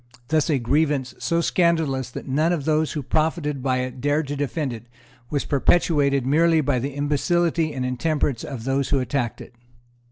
Thus a grievance so scandalous that none of those who profited by it dared to defend it was perpetuated merely by the imbecility and intemperance of those who attacked it.